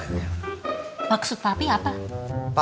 maksud papi apa